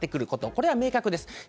これは明確です。